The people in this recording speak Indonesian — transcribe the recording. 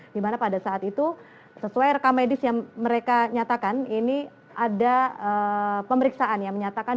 dimana pada saat itu sesuai rekamedis yang mereka nyatakan ini ada pemeriksaan yang menyatakan